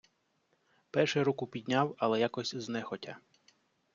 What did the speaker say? Перший руку підняв, але якось знехотя.